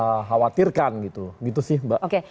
khawatirkan gitu gitu sih mbak